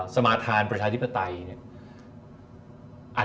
สมาธานประชาธิปไตยเนี่ย